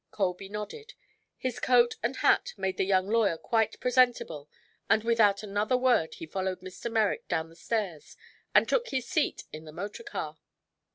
Colby nodded. His coat and hat made the young lawyer quite presentable and without another word he followed Mr. Merrick down the stairs and took his seat in the motorcar.